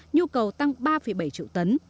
nhu cầu tăng ba bảy triệu tấn